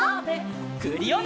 クリオネ！